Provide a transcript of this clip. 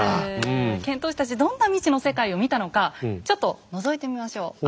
遣唐使たちどんな未知の世界を見たのかちょっとのぞいてみましょう。